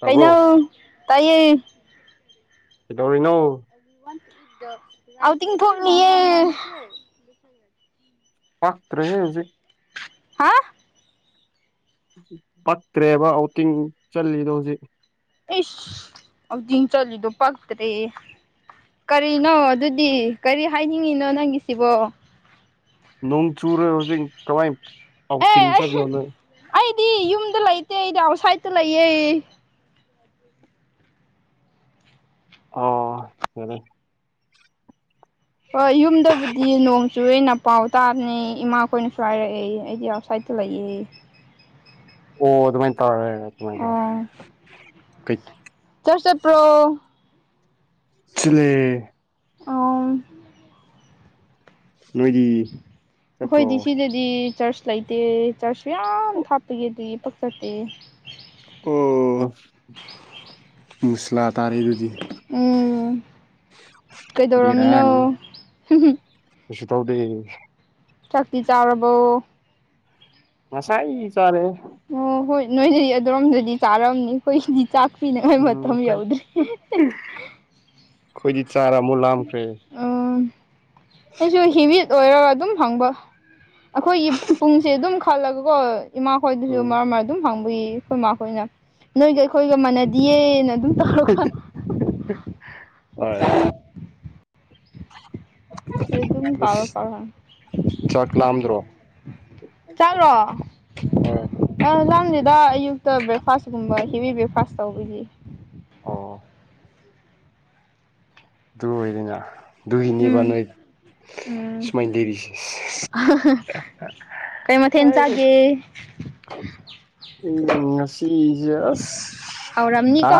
ꯇꯥꯕ꯭ꯔꯣ ꯀꯩꯅꯣ ꯇꯥꯏꯌꯦ ꯀꯩꯗꯧꯔꯤꯅꯣ [unintelligible] ꯑꯥꯎꯇꯤꯡ ꯊꯣꯛꯂꯤꯌꯦ ꯄꯥꯛꯇ꯭ꯔꯦꯍꯦ ꯍꯨꯖꯤꯛ ꯍꯥ ꯄꯛꯇ꯭ꯔꯦꯕ ꯑꯥꯎꯇꯤꯡ ꯆꯠꯂꯤꯗꯣ ꯍꯨꯖꯤꯛ ꯏꯁ ꯋꯥꯀꯤꯡ ꯆꯠꯂꯤꯗꯨ ꯄꯛꯇ꯭ꯔꯦꯌꯦ ꯀꯔꯤꯅꯣ ꯑꯗꯨꯗꯤ ꯀꯔꯤ ꯍꯥꯏꯅꯤꯡꯉꯤꯅꯣ ꯅꯪꯒꯤꯁꯤꯕꯣ ꯅꯣꯡ ꯆꯨꯔꯣꯢ ꯍꯧꯖꯤꯛ ꯀꯃꯥꯏ ꯑꯦ ꯑꯥꯎꯇꯤꯡ ꯑꯩ ꯆꯠꯂꯨꯗꯣꯢ ꯑꯩꯗꯤ ꯌꯨꯝꯗ ꯂꯩꯇꯦ ꯑꯩꯗꯤ ꯑꯥꯎꯠꯁꯥꯏꯗꯇ ꯂꯩꯌꯦ ꯑꯣ ꯐꯔꯦ ꯍꯣꯏ ꯌꯨꯝꯗꯕꯨꯗꯤ ꯅꯣꯡ ꯆꯨꯋꯦꯅ ꯄꯥꯎ ꯇꯥꯕꯅꯦ ꯏꯃꯥꯈꯣꯏꯅꯁꯨ ꯍꯥꯏꯔꯛꯑꯦ ꯑꯩꯗꯤ [unintelligible] ꯐ꯭ꯂꯥꯏꯇ ꯂꯩꯏ ꯑꯣ ꯑꯗꯨꯃꯥꯏꯟ ꯇꯧꯔꯦ ꯑꯗꯨꯃꯥꯏꯟ ꯇꯧꯔꯦ ꯀꯩ ꯆꯔꯁ ꯆꯠꯄ꯭ꯔꯣ ꯆꯂꯦ ꯑꯣꯝ ꯅꯣꯏꯗꯤ ꯆꯠꯄ꯭ꯔꯣ ꯑꯈꯣꯏꯗꯤꯁꯤꯗ ꯗꯤ ꯆꯔꯆ ꯂꯩꯇꯦ ꯆꯔꯆ ꯌꯥꯝ ꯊꯥꯞꯄꯒꯤꯗꯤ ꯄꯥꯛ ꯆꯠꯇꯦ ꯑꯣ ꯃꯨꯁꯂꯥ ꯇꯥꯔꯦ ꯑꯗꯨꯗꯤ ꯎꯝ ꯕꯦꯔꯥꯅꯤ ꯀꯩꯗꯧꯔꯝꯃꯤꯅꯣ ꯀꯩꯁꯨ ꯇꯧꯗꯦ ꯆꯥꯛꯇꯤ ꯆꯥꯔꯕꯣ ꯑꯁꯥꯏ ꯆꯥꯔꯦ ꯑꯣ ꯍꯣꯏ ꯅꯣꯏꯗꯤ ꯑꯗꯨꯔꯣꯝꯗꯗꯤ ꯆꯥꯔꯝꯅꯤ ꯑꯩꯈꯣꯏꯒꯤꯗꯤ ꯆꯥꯛ ꯄꯤꯅꯤꯡꯉꯥꯏ ꯎꯝ ꯃꯇꯝ ꯑꯩꯈꯣꯏ ꯌꯧꯗ꯭ꯔꯤ ꯑꯈꯣꯏꯗꯤ ꯆꯥꯔ ꯑꯃꯨꯛ ꯂꯥꯝꯈ꯭ꯔꯦ ꯎꯝ ꯑꯩꯁꯨ ꯍꯤꯃꯤꯠ ꯑꯣꯏꯔꯦ ꯑꯗꯨꯝ ꯍꯪꯕ ꯑꯩꯈꯣꯏꯒꯤ ꯄꯨꯡꯁꯦ ꯑꯗꯨꯝ ꯈꯜꯂꯒꯀꯣ ꯏꯃꯥꯈꯣꯏꯗꯨꯁꯨ ꯎꯝ ꯃꯔꯛ ꯃꯔꯛ ꯑꯗꯨꯝ ꯍꯡꯕꯒꯤ ꯑꯈꯣꯏꯃꯥ ꯈꯣꯏꯅ ꯅꯣꯏꯗꯤ ꯑꯩꯈꯣꯏꯒ ꯃꯥꯟꯅꯗꯤꯌꯦꯅ ꯑꯗꯨꯝ ꯇꯧꯔꯒ ꯍꯣꯏ ꯑꯗꯨꯝ [unintelligible] ꯑꯁ ꯆꯥꯛ ꯂꯥꯝꯗ꯭ꯔꯣ ꯆꯥꯛꯔꯣ ꯍꯣꯏ ꯑ ꯅꯝꯗꯦꯗ ꯑꯌꯨꯛꯇ ꯕ꯭ꯔꯦꯛꯐꯥꯁꯀꯨꯝꯕ ꯍꯦꯕꯤ ꯕ꯭ꯔꯦꯛꯐꯥꯁ ꯇꯧꯕꯒꯤ ꯑꯣ ꯨꯑꯗꯨ ꯑꯣꯏꯔꯤꯉ ꯑꯗꯨꯒꯤꯅꯤꯕ ꯎꯝ ꯅꯣꯏ ꯎꯝ ꯁꯨꯃꯥꯏꯅ ꯂꯩꯔꯤꯁꯦ ꯀꯩ ꯃꯊꯦꯜ ꯆꯥꯒꯦ ꯑꯦ ꯉꯁꯤ ꯌꯦꯁ ꯔ ꯍꯥꯎꯔꯝꯅꯤꯀꯣ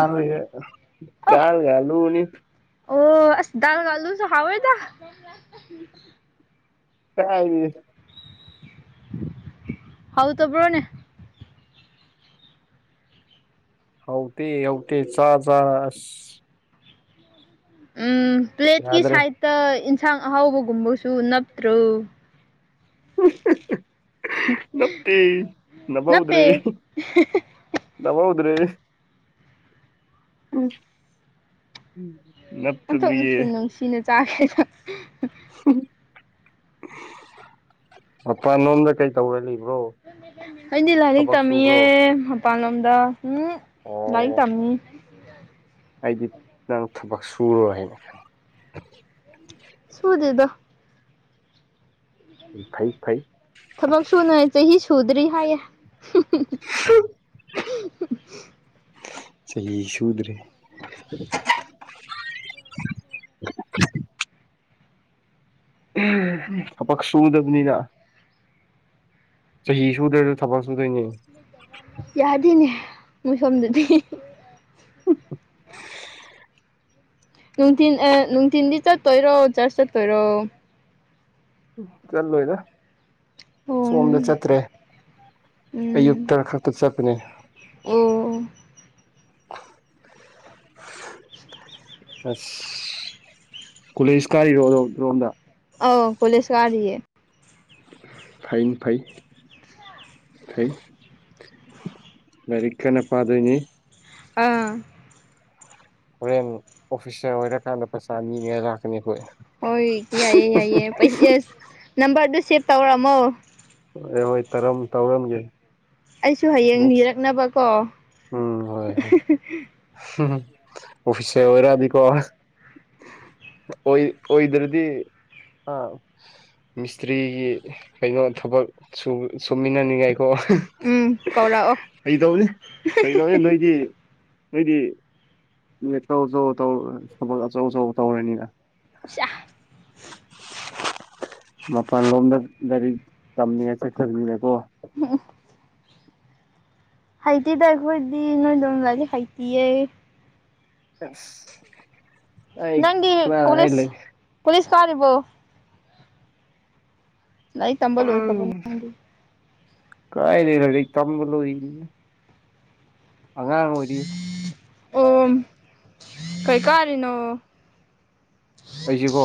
ꯑꯥ ꯇꯥꯔ ꯂꯅꯤ [unintelligible] ꯑꯣ ꯑꯁ ꯗꯥꯜꯒꯜꯂꯨꯁꯨ ꯍꯥꯎꯏꯗ ꯀꯔꯥꯏꯗꯒꯤ ꯍꯥꯎꯇꯕ꯭ꯔꯣꯅꯦ ꯍꯥꯎꯇꯦ ꯍꯧꯇꯦ ꯆꯥ ꯆꯥꯔ ꯑꯁ ꯎꯝ ꯄ꯭ꯂꯦꯠꯀꯤ ꯌꯥꯗ꯭ꯔꯦ ꯁꯥꯏꯗꯇ ꯏꯟꯁꯥꯡ ꯑꯍꯥꯎꯕꯒꯨꯝꯕꯁꯨ ꯅꯞꯇ꯭ꯔꯣ ꯅꯞꯇꯦ ꯅꯞꯍꯧꯗ꯭ꯔꯦ ꯅꯞꯄꯦ ꯅꯞꯍꯧꯗ꯭ꯔꯦꯅꯦ ꯑꯣꯟꯊꯣꯛꯅꯁꯨ ꯅꯨꯡꯁꯤꯅ ꯆꯥꯈ꯭ꯔꯦꯗ ꯃꯄꯥꯟ ꯂꯣꯝꯗ ꯀꯩ ꯇꯧꯔ ꯂꯩꯕ꯭ꯔꯣ ꯑꯩꯗꯤ ꯂꯥꯏꯔꯤꯛ ꯊꯕꯛ ꯇꯝꯃꯤꯌꯦ ꯁꯨꯕ꯭ꯔꯣ ꯃꯄꯥꯟꯂꯣꯝꯗ ꯎꯝ ꯂꯥꯏꯔꯤꯛ ꯑꯣ ꯇꯝꯃꯤ ꯑꯩꯗꯤ ꯅꯪ ꯊꯕꯛ ꯁꯨꯔꯣꯏ ꯍꯥꯏꯅ ꯁꯨꯗꯦꯗ ꯐꯩ ꯐꯩ ꯊꯕꯛ ꯁꯨꯅꯉꯥꯥꯏ ꯆꯍꯤ ꯁꯨꯗ꯭ꯔꯤ ꯍꯥꯏꯌꯦ [inaudible] ꯆꯍꯤ ꯁꯨꯗ꯭ꯔꯤ ꯊꯕꯛ ꯁꯨꯗꯕꯅꯤꯅ ꯆꯍꯤ ꯁꯨꯗ꯭ꯔꯁꯨ ꯊꯕꯛ ꯁꯨꯗꯣꯏꯅꯦ ꯌꯥꯗꯦꯅꯦ ꯃꯣꯏꯁꯣꯝꯗꯗꯤ ꯅꯨꯡꯊꯤꯟ ꯑꯥ ꯅꯨꯡꯊꯤꯟꯗꯤ ꯆꯠꯇꯣꯏꯔꯣ ꯆꯥꯔꯁ ꯆꯠꯇꯣꯏꯔꯣ ꯆꯠꯂꯣꯏꯗ ꯑꯣ ꯁꯣꯝꯗ ꯆꯠꯇ꯭ꯔꯦ ꯎꯝ ꯑꯌꯨꯛꯇ ꯈꯛꯇ ꯆꯠꯄꯅꯦ ꯑꯣ ꯀꯨꯂꯦꯁ ꯀꯥꯏꯔꯣ ꯔꯣ ꯔꯣꯝꯗ ꯑꯣ ꯀꯣꯂꯦꯁ ꯀꯔꯤꯌꯦ ꯐꯥꯏꯟ ꯐꯩ ꯐꯩ ꯂꯥꯏꯔꯤꯛ ꯀꯟꯅ ꯄꯥꯗꯣꯏꯅꯤ ꯑꯥ ꯍꯣꯔꯦꯟ ꯑꯣꯐꯤꯁꯥꯔ ꯑꯣꯏꯔꯀꯥꯟꯗ ꯄꯩꯁꯥ ꯅꯤꯅꯤꯡꯉꯥꯏ ꯂꯥꯛꯀꯅꯤ ꯑꯩꯈꯣꯏ ꯍꯣꯏ ꯌꯥꯏꯌꯦ ꯌꯥꯏꯌꯦ ꯄꯩ ꯑꯁ ꯅꯝꯕꯔꯗꯨ ꯁꯦꯚ ꯇꯧꯔꯝꯃꯣ ꯑꯣ ꯍꯣꯏ ꯇꯔꯝ ꯇꯧꯔꯝꯒꯦ ꯑꯩꯁꯨ ꯍꯌꯦꯡ ꯅꯦꯛꯁ ꯅꯤꯔꯛꯅꯕꯀꯣ ꯎꯝ ꯑꯣꯐꯤꯁꯦꯜ ꯑꯣꯏꯔꯛꯑꯗꯤꯀꯣ ꯑꯣꯏ ꯑꯣꯏꯗ꯭ꯔꯗꯤ ꯑꯥ ꯃꯤꯁꯇ꯭ꯔꯤꯒꯤ ꯀꯩꯅꯣ ꯊꯕꯛ ꯁꯨ ꯁꯨꯃꯤꯟꯅꯅꯤꯡꯉꯥꯏꯀꯣ ꯎꯝ ꯀꯧꯔꯛꯑꯣ ꯐꯒꯤꯗꯧꯅꯤ ꯐꯒꯤꯇꯧꯎꯅꯤ ꯅꯣꯏ ꯗꯤ ꯅꯣꯏꯗꯤ ꯑꯆꯧ ꯑꯆꯧ ꯇꯧꯔ ꯊꯕꯛ ꯑꯆꯧ ꯑꯆꯧꯕ ꯇꯧꯔꯅꯤꯕ [unintelligible] ꯃꯄꯥꯟ ꯂꯣꯝꯗ ꯂꯥꯏꯔꯤꯛ ꯇꯝꯅꯤꯡꯉꯥꯏ ꯆꯠꯈ꯭ꯔꯃꯤꯅꯀꯣ [unintelligible] ꯍꯩꯇꯦꯗ ꯑꯩꯈꯣꯏꯗꯤ ꯅꯣꯏꯗꯣ ꯂꯥꯏꯔꯤꯛ ꯍꯩꯇꯤꯌꯦ ꯑꯁ ꯑꯩ ꯅꯪꯗꯤ ꯀꯅꯥꯅ ꯑꯩ ꯀꯣꯂꯤꯁ ꯂꯩ ꯀꯣꯂꯤꯁ ꯀꯥꯔꯤꯕꯣ ꯂꯥꯏꯔꯤꯛ ꯇꯝꯕ ꯂꯣꯏꯈ꯭ꯔꯕꯣ ꯎꯝ ꯅꯪꯗꯤ ꯀꯥꯏꯗꯦ [unintelligible] ꯑꯉꯥꯡ ꯑꯣꯏꯔꯤ ꯑꯣꯝ ꯀꯩ ꯀꯥꯔꯤꯅꯣ ꯑꯩꯖꯤꯀꯣ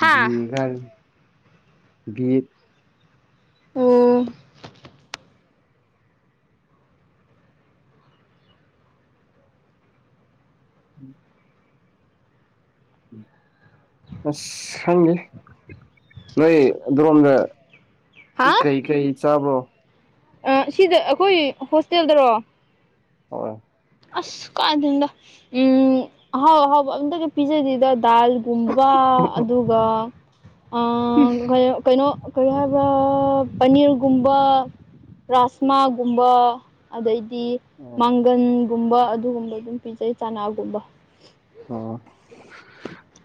ꯍꯥ ꯑꯣ ꯎꯝ ꯑꯁ ꯈꯪꯗꯦ ꯅꯣꯏ ꯑꯗꯣꯝꯗ ꯍꯥ ꯀꯩ ꯀꯩ ꯆꯥꯕ꯭ꯔꯣ ꯑꯥ ꯑꯁꯤꯗ ꯑꯈꯣꯏ ꯍꯣꯁꯇꯦꯜꯗꯔꯣ ꯍꯣꯏ ꯑꯁ ꯀꯥꯏꯗꯩꯟꯗ ꯎꯝ ꯑꯍꯥꯎ ꯑꯍꯥꯎꯕ ꯑꯝꯇꯗꯤ ꯄꯤꯖꯗꯦꯗ ꯗꯥꯜ ꯨꯄꯨꯝꯕꯕ ꯑꯗꯨꯒ ꯑꯥ ꯀꯩ ꯀꯩꯅꯣ ꯀꯔꯤ ꯍꯥꯏꯕ꯭ꯔ ꯄꯅꯤꯔꯒꯨꯝꯕ ꯔꯥꯁꯃꯥꯒꯨꯝꯕ ꯑꯗꯩꯗꯤ ꯑꯣ ꯃꯥꯡꯒꯟꯒꯨꯝꯕ ꯑꯗꯨꯒꯨꯝꯕ ꯗꯨꯝ ꯄꯤꯖꯩ ꯆꯅꯥꯒꯨꯝꯕ ꯑꯣ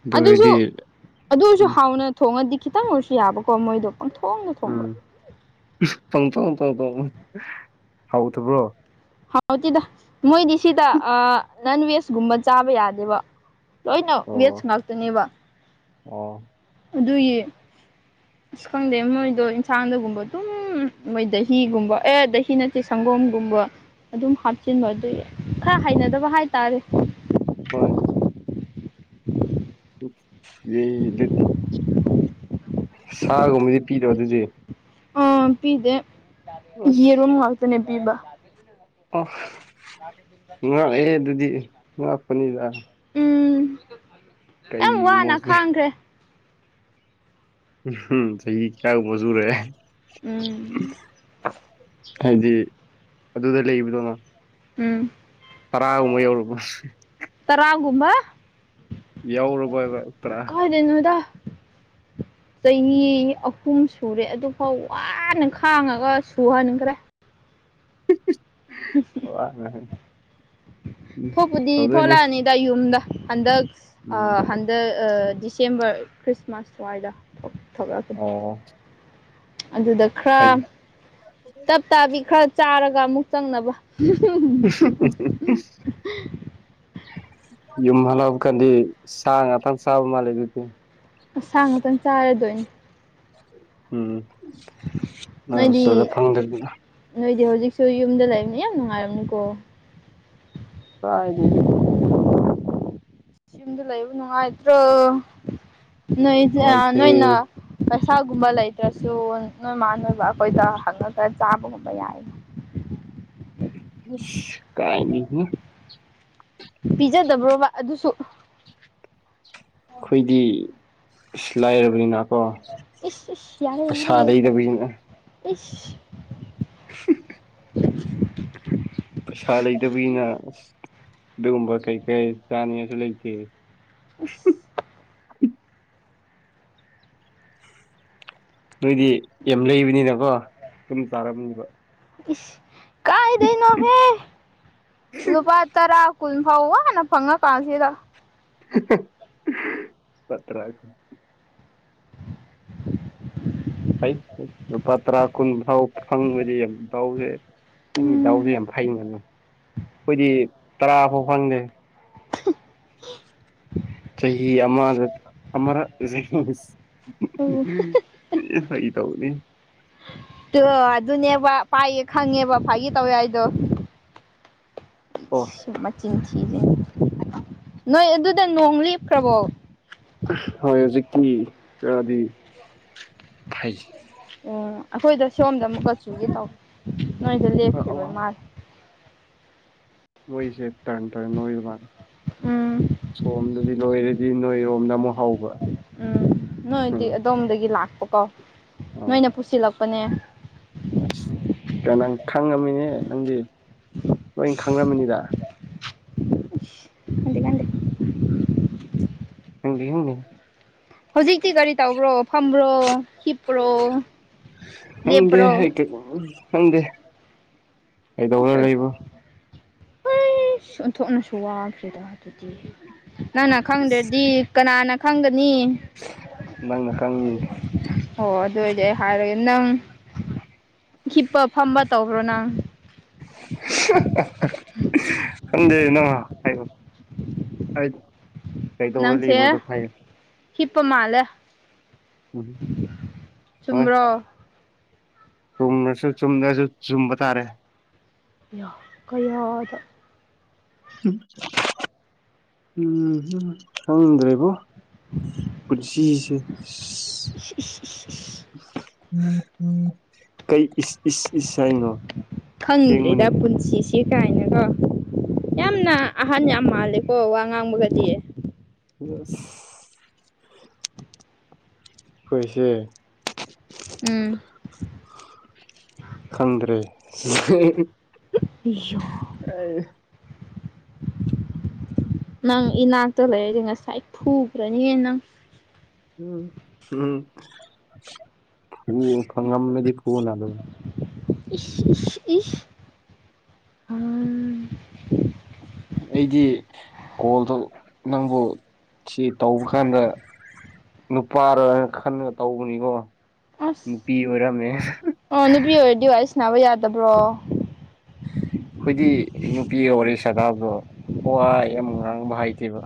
ꯑꯗꯨ ꯑꯗꯨꯁꯨ ꯑꯣꯏꯔꯗꯤ ꯑꯗꯨꯔꯁꯨ ꯎꯝ ꯍꯥꯎꯅ ꯊꯣꯡꯉꯗꯤ ꯈꯤꯇꯪ ꯑꯣꯏꯔꯁꯨ ꯌꯥꯕꯀꯣ ꯃꯣꯏꯗꯣ ꯄꯪꯊꯣꯡꯗ ꯊꯣꯡꯕ [unintelligible] ꯄꯪꯊꯣꯡꯇ ꯊꯣꯡꯕ ꯍꯥꯎꯇꯕ꯭ꯔꯣ ꯍꯥꯎꯇꯤꯗ ꯃꯣꯏꯗꯤ ꯁꯤꯗ ꯑꯥ ꯅꯟꯚꯦꯖꯒꯨꯝꯕ ꯆꯥꯕ ꯌꯥꯗꯦꯕ ꯂꯣꯏꯅ ꯑꯣ ꯚꯦꯠꯖ ꯉꯥꯛꯇꯅꯦꯕ ꯑꯣ ꯑꯗꯨꯢꯌꯤ [inaudible] ꯈꯪꯗꯦ ꯃꯣꯏꯗꯣ ꯏꯟꯁꯥꯡꯗꯒꯨꯝꯕ ꯗꯨꯝ ꯃꯣꯏ ꯗꯍꯤꯒꯨꯝꯕ ꯑꯦ ꯗꯍꯤ ꯅꯠꯇꯦ ꯁꯪꯒꯣꯝꯒꯨꯝꯕ ꯑꯗꯨꯝ ꯍꯥꯞꯆꯤꯟꯕ ꯑꯗꯨꯏ ꯈ꯭ꯔ ꯍꯩꯅꯗꯕ ꯍꯥꯏꯇꯥꯔꯦ ꯍꯣꯏ [unintelligible] ꯗꯨꯗꯤ ꯁꯥꯒꯨꯝꯕꯗꯤ ꯄꯤꯗꯔꯣ ꯑꯗꯨꯗꯤ [unintelligible] ꯄꯤꯗꯦ ꯑꯁ ꯌꯦꯔꯣꯝ ꯉꯥꯛꯇꯅꯦ ꯄꯤꯕ ꯑꯣ ꯉꯛꯑꯦ ꯑꯗꯨꯗꯤ ꯉꯛꯄꯅꯤꯗ ꯎꯝ ꯌꯥꯝ ꯋꯥꯅ ꯀꯩꯒꯨꯃꯣꯁꯅꯦꯜ ꯈꯥꯡꯈ꯭ꯔꯦ ꯎꯝ ꯍꯝ ꯆꯍꯤ ꯇ꯭ꯔꯥꯎꯉ ꯁꯨꯔꯦ ꯎꯝ ꯍꯥꯏꯗꯤ ꯑꯗꯨꯗ ꯂꯩꯕꯗꯣꯉꯣ ꯎꯝ ꯇꯔꯥꯒꯨꯝꯕ ꯌꯧꯔꯕꯣ [unintelligible] ꯇꯔꯥꯒꯨꯝꯕ ꯌꯧꯔꯕꯣꯍꯕ ꯇꯔꯥ ꯗꯩꯅꯣꯗ ꯆꯍꯤ ꯑꯍꯨꯝ ꯁꯨꯔꯦ ꯑꯗꯨꯐꯥꯎ ꯋꯥꯅ ꯈꯥꯡꯉꯒ ꯁꯨꯍꯟꯈ꯭ꯔꯦ ꯍꯝ ꯍꯝ [unintelligible] ꯎꯝ ꯇꯧꯗꯣꯏꯅꯦ ꯗ ꯌꯨꯝꯗ ꯍꯟꯗꯛ ꯑꯥ ꯍꯟ ꯗ ꯑꯥ ꯗꯤꯁꯦꯝꯕꯔ ꯈ꯭ꯔꯤꯁꯃꯥꯁ ꯁ꯭ꯋꯥꯏꯗ ꯊꯣꯛ ꯊꯣꯛꯂꯛ ꯑꯣ ꯑꯗꯨꯗ ꯈ꯭ꯔ ꯐꯩꯅꯦ ꯇꯞ ꯇꯥꯕꯤ ꯈ꯭ꯔ ꯆꯥꯔꯒ ꯑꯃꯨꯛ ꯆꯪꯅꯕ [unintelligible] ꯌꯨꯝ ꯍꯜꯂꯥꯎ ꯀꯥꯟꯗꯤ ꯁꯥ ꯉꯥꯛꯇꯪ ꯆꯥꯕ ꯃꯥꯜꯂꯦ ꯑꯗꯨꯗꯤ ꯑꯁꯥ ꯉꯥꯛꯇꯪ ꯆꯥꯔꯗꯣꯏꯅꯤ ꯎꯝ ꯅꯣꯏ ꯅꯣꯏꯗꯤ ꯍꯣꯁꯇꯦꯜꯗ ꯐꯪꯗꯕꯅꯤꯅ ꯅꯣꯏꯗꯤ ꯍꯧꯖꯤꯛꯁꯨ ꯌꯨꯝꯗ ꯂꯩꯕꯅꯤ ꯌꯥꯝ ꯅꯨꯡꯉꯥꯏꯔꯝꯅꯤꯀꯣ ꯀꯥꯢꯗꯤ ꯌꯨꯝꯗ ꯂꯩꯕ ꯅꯨꯡꯉꯥꯏꯇ꯭ꯔꯣ ꯅꯣꯏꯁꯦ ꯑ ꯅꯨꯡꯉꯥꯏꯇꯦ ꯅꯣꯏꯅ ꯄꯩꯁꯥꯒꯨꯝꯕ ꯂꯩꯇ꯭ꯔꯁꯨ ꯅꯣꯏꯃꯥ ꯅꯣꯏꯕꯥ ꯈꯣꯏꯗ ꯍꯪꯉꯒ ꯆꯥꯕꯒꯨꯝꯕ ꯌꯥꯏ ꯢꯁ ꯀꯥꯏꯗꯤꯅꯣ ꯄꯤꯖꯗꯕ꯭ꯔꯣꯕ ꯑꯗꯨꯁꯨ ꯈꯨꯏꯗꯤ ꯏꯁ ꯂꯥꯏꯔꯕꯅꯤꯅ ꯀꯣ ꯏꯁ ꯏꯁ ꯌꯥꯔꯦ ꯄꯩꯁꯥ ꯌꯥꯔꯦ ꯌꯥꯔꯦ ꯂꯩꯗꯕꯩꯅ ꯏꯁ ꯄꯩꯁꯥ ꯂꯩꯇꯕꯤꯅ ꯑꯁ ꯗꯨꯒꯨꯝꯕ ꯀꯩ ꯀꯩ ꯆꯥꯅꯤꯉꯥꯏꯁꯨ ꯂꯩꯇꯦ ꯑꯁ ꯅꯣꯏꯗꯤ ꯌꯥꯝ ꯂꯩꯕꯅꯤꯅꯀꯣ ꯁꯨꯝ ꯆꯥꯔꯝꯅꯤꯕ ꯏꯁ ꯀꯥꯏꯗꯩꯅꯣꯍꯦ ꯂꯨꯄꯥ ꯇꯔꯥ ꯀꯨꯟ ꯐꯥꯎ ꯋꯥꯅ ꯐꯪꯉꯀꯥꯟꯁꯤꯗ [unintelligible] ꯐꯩ ꯐꯩ ꯂꯨꯄꯥ ꯇꯔꯥ ꯀꯨꯟ ꯐꯥꯎ ꯐꯪꯕꯗꯤ ꯌꯥꯝ ꯗꯥꯎꯖꯦ ꯅꯪꯒꯤ ꯗꯥꯎꯖꯦ ꯎꯝ ꯌꯥꯝ ꯐꯩ ꯉꯟꯅ ꯈꯣꯏꯗꯤ ꯇꯔꯥ ꯐꯥꯎ ꯐꯪꯗꯦ [unintelligible] ꯆꯍꯤ ꯑꯃꯗ ꯑꯃꯔꯛ [unintelligible] ꯐꯥꯒꯤ ꯇꯧꯕꯅꯦ ꯇꯨ ꯑꯗꯨꯅꯦꯕ ꯄꯥꯏꯌꯦ ꯈꯪꯉꯦꯕ ꯐꯥꯒꯤ ꯇꯧꯋꯦ ꯍꯥꯏꯗꯣ ꯑꯣ ꯏꯁ ꯃꯆꯤꯟ ꯊꯤꯔꯤꯅꯤ ꯅꯣꯏ ꯑꯗꯨꯗ ꯅꯣꯡ ꯂꯦꯞꯈ꯭ꯔꯕꯣ ꯍꯣꯏ ꯍꯨꯖꯤꯛꯇꯤ ꯈꯔꯗꯤ [unintelligible] ꯑꯣ ꯑꯈꯣꯏꯗ ꯁꯣꯝꯗ ꯑꯃꯨꯛꯀ ꯆꯨꯒꯦ ꯇꯧ ꯅꯣꯏꯗ ꯂꯦꯞꯈꯤꯕ ꯑ ꯃꯥꯜꯂꯦ ꯃꯣꯏꯁꯦ ꯇꯔꯟ ꯇꯔꯟ ꯅꯣꯏꯔꯕ ꯎꯝ ꯁꯣꯝꯗꯗꯤ ꯂꯣꯏꯔꯗꯤ ꯅꯣꯏꯔꯣꯝꯅ ꯑꯃꯨꯛ ꯍꯥꯎꯕ ꯎꯝ ꯅꯣꯏꯗꯤ ꯑꯗꯣꯝꯗꯒꯤ ꯂꯥꯛꯄꯀꯣ ꯑꯣ ꯅꯣꯏꯅ ꯄꯨꯁꯤꯜꯂꯛꯄꯅꯦ ꯑꯁ ꯀ ꯅꯪ ꯈꯪꯉꯝꯃꯤꯅꯦ ꯅꯪꯗꯤ ꯂꯣꯏ ꯈꯪꯔꯝꯃꯅꯤꯗ ꯈꯪꯗꯦ ꯈꯪꯗꯦ [unintelligible] ꯍꯧꯖꯤꯛꯇꯤ ꯀꯔꯤ ꯇꯧꯕ꯭ꯔꯣ ꯐꯝꯕ꯭ꯔꯣ ꯍꯤꯞ ꯈꯪꯗꯦꯍꯦ [unintelligible] ꯈꯪꯗꯦ ꯀꯩꯗꯧꯔ ꯂꯩꯕ ꯍꯣꯏꯁ ꯑꯣꯟꯊꯣꯛꯅꯁꯨ ꯋꯥꯈ꯭ꯔꯦꯗ ꯑꯗꯨꯗꯤ ꯅꯪꯅ ꯈꯪꯗ꯭ꯔꯗꯤ ꯀꯅꯥꯅ ꯈꯪꯒꯅꯤ ꯅꯪꯅ ꯈꯪꯉꯤ ꯑꯣ ꯑꯗꯨ ꯑꯣꯏꯗꯤ ꯑꯩ ꯍꯥꯏꯔꯒꯦ ꯅꯪ ꯍꯤꯞꯄ ꯐꯝꯕ ꯇꯧꯕ꯭ꯔꯣ ꯅ ꯈꯪꯗꯦ ꯅꯪꯅ ꯍꯥꯏꯕ ꯑꯩꯠ ꯅꯪꯁꯦ ꯍꯤꯞꯄ ꯃꯥꯜꯂꯦ ꯎꯝ ꯍꯣꯏ ꯆꯨꯝꯕ꯭ꯔꯣ ꯆꯨꯝꯔꯁꯨ ꯆꯨꯝꯗꯖꯨ ꯆꯨꯝꯕ ꯇꯥꯔꯦ ꯌꯥ ꯀꯌꯥꯗ ꯎꯝ ꯍꯨꯝ ꯈꯪꯗ꯭ꯔꯦꯕꯣ ꯄꯨꯟꯁꯤꯁꯦ ꯢꯁ ꯢꯁ ꯢꯁ ꯢꯁ ꯀꯩ ꯏꯁ ꯏꯁ ꯏꯁ ꯍꯥꯏꯅꯣ ꯁꯦꯡꯕꯅꯤ ꯈꯪꯗ꯭ꯔꯦꯗ ꯄꯨꯟꯁꯤꯁꯦ ꯀꯥꯏꯅꯒ ꯎꯝ ꯌꯥꯝꯅ ꯑꯍꯟ ꯌꯥꯝ ꯃꯥꯜꯂꯦꯀꯣ ꯋꯥ ꯉꯥꯡꯕꯒꯗꯤ ꯌꯦꯁ ꯈꯣꯏꯁꯦ ꯎꯝ ꯈꯪꯗ꯭ꯔꯦ ꯏꯌꯣ ꯑꯩ ꯅꯪ ꯏꯅꯥꯛꯇ ꯂꯩꯔꯗꯤ ꯉꯁꯥꯏ ꯐꯨꯈ꯭ꯔꯅꯤꯍꯦ ꯅꯪ ꯎꯝ ꯎꯝ ꯉꯝꯔꯗꯤ ꯐꯨꯑꯣꯅ ꯑꯗꯨ ꯏꯁ ꯏꯁ ꯏꯁ ꯑꯩꯗꯤ ꯀꯣꯜꯗꯨ ꯅꯪꯕꯨ ꯁꯤ ꯇꯧꯕ ꯀꯥꯟꯗ ꯅꯨꯄꯥꯔ ꯍꯥꯏꯅ ꯈꯟꯂꯒ ꯇꯧꯕꯅꯤꯀꯣ ꯑꯁ ꯅꯨꯄꯤ ꯑꯣꯏꯔꯝꯃꯦ ꯑꯣ ꯅꯨꯄꯤ ꯑꯣꯏꯔꯗꯤ ꯋꯥꯔꯤ ꯁꯥꯅꯕ ꯌꯥꯗꯕ꯭ꯔꯣ ꯈꯣꯏꯗꯤ ꯅꯨꯄꯤꯒ ꯋꯥꯔꯤ ꯁꯥꯗꯕꯔꯣ ꯋꯥ ꯌꯥꯝ ꯉꯥꯡꯕ ꯍꯩꯇꯦꯕ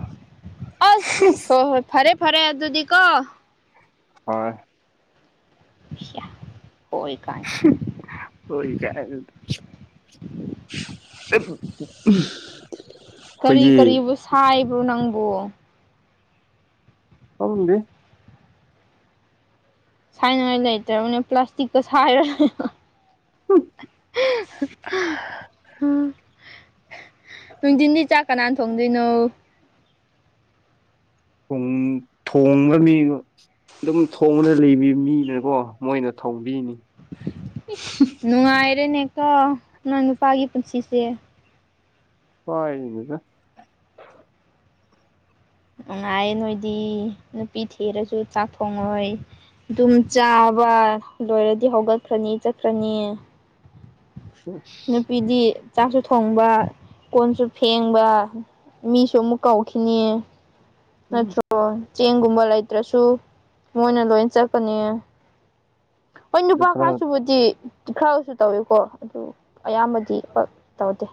ꯑꯁ ꯍꯣꯏ ꯍꯣꯏ ꯐꯔꯦ ꯐꯔꯦ ꯑꯗꯨꯗꯤ ꯀꯣ ꯍꯣꯏ ꯍꯣꯏ ꯀꯥꯏ [unintelligible] [inaudible] [unintelligible] ꯀꯔꯤ ꯑꯩꯈꯣꯏꯒꯤ ꯀꯔꯤꯕꯨ ꯁꯥꯏꯕ꯭ꯔꯣ ꯅꯪꯕꯨ ꯈꯪꯗꯦ ꯁꯥꯏꯅꯤꯡꯉꯥꯏ ꯂꯩꯇ꯭ꯔꯕꯅꯤ ꯄ꯭ꯂꯥꯁꯇꯤꯛꯇꯣ ꯁꯥꯏꯔ ꯂꯩꯌꯣ [unintelligible] ꯎꯝ ꯅꯨꯡꯗꯤꯟꯗꯤ ꯆꯥꯛ ꯀꯅꯥ ꯊꯣꯡꯗꯣꯏꯅꯣ ꯄꯨꯡ ꯊꯣꯡꯕ ꯃꯤꯗꯣ ꯗꯨꯝ ꯊꯣꯡꯕꯗ ꯂꯩꯕꯤ ꯃꯤꯅꯀꯣ ꯃꯣꯏꯅ ꯊꯣꯡꯕꯤꯅꯤ ꯏꯁ ꯅꯨꯡꯉꯥꯏꯔꯦꯅꯦꯀꯣ ꯅꯪ ꯅꯨꯄꯥꯒꯤ ꯄꯨꯟꯁꯤꯁꯦ ꯄꯥꯏꯅꯤꯗ ꯅꯨꯡꯉꯥꯏꯌꯦ ꯅꯣꯏꯗꯤ ꯅꯨꯄꯤ ꯊꯤꯔꯁꯨ ꯆꯥꯛ ꯊꯣꯡꯉꯣꯏ ꯑꯗꯨꯝ ꯆꯥꯕ ꯂꯣꯏꯔꯗꯤ ꯍꯧꯒꯠꯈ꯭ꯔꯅꯤ ꯆꯠꯈ꯭ꯔꯅꯤ ꯅꯨꯄꯤꯗꯤ ꯆꯥꯛꯁꯨ ꯊꯣꯡꯕ ꯀꯣꯟꯁꯨ ꯐꯦꯡꯕ ꯃꯤꯁꯨ ꯑꯃꯨꯛ ꯀꯧꯈꯤꯅꯤ ꯎꯝ ꯅꯠꯇ꯭ꯔꯣ ꯆꯦꯡꯒꯨꯝꯕ ꯂꯩꯇ꯭ꯔꯁꯨ ꯃꯣꯏꯅ ꯂꯣꯏ ꯆꯠꯄꯅꯤ ꯍꯣꯏ ꯗ ꯅꯨꯄꯥ ꯈꯔ ꯀꯅꯥꯅ ꯁꯨꯕꯨꯗꯤ [unintelligible] ꯇꯧꯋꯤꯀꯣ ꯑꯗꯨ ꯑꯌꯥꯝꯕꯗꯤ ꯄꯥ ꯇꯧꯗꯦ